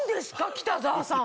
北澤さん。